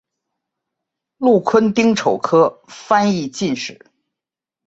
禄坤丁丑科翻译进士。